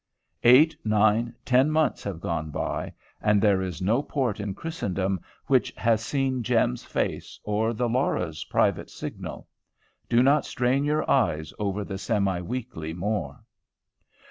Eight, nine, ten months have gone by, and there is no port in Christendom which has seen Jem's face, or the Laura's private signal. Do not strain your eyes over the "Semi weekly" more.